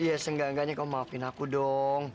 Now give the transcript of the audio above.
ya seenggak enggaknya kamu maafin aku dong